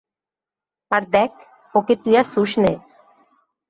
আর দ্যাখ ওকে তুই আর ছুসনে।